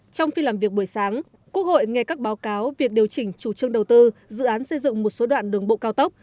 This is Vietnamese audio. trong phi làm việc buổi sáng quốc hội nghe các báo cáo việc điều chỉnh chủ trương đầu tư dự án xây dựng một số đoạn đường bộ cao tốc